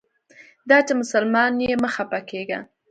دا چې مسلمان یې مه خپه کیږه.